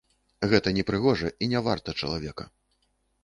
Гэта непрыгожа і не варта чалавека.